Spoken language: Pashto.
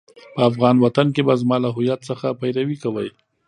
په افغان وطن کې به زما له هويت څخه پيروي کوئ.